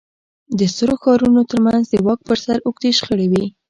د سترو ښارونو ترمنځ د واک پر سر اوږدې شخړې وې